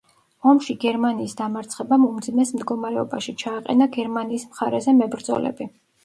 ომში გერმანიის დამარცხებამ უმძიმეს მდგომარეობაში ჩააყენა გერმანიის მხარეზე მებრძოლები.